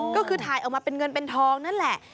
ก็คือถ่ายออกมาเป็นเงินเป็นทองนั่นแหละ